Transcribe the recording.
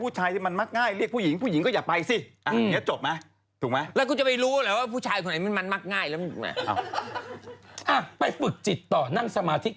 ไปเที่ยวเล็ดไปเมืองนอก